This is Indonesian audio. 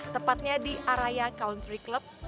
tepatnya di area country club